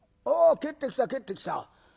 ああ帰ってきた帰ってきた。